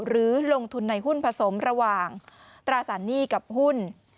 หรือลงทุนในหุ้นผสมระหว่างตราสารหนี้กับหุ้น